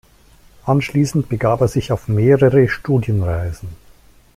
Anschließend begab er sich auf mehrere Studienreisen.